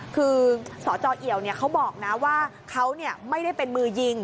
คือสจเอ๋วเนี่ยเขาบอกนะว่าเขาเนี่ยไม่ได้เป็นมือยิง